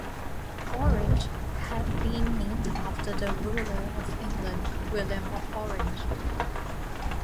Orange had been named after the ruler of England, William of Orange.